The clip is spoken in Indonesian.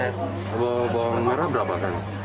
kalau bawang merah berapa kang